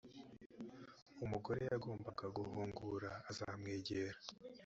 umugore yagombaga guhungura azamwegere,